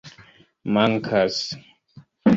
mankas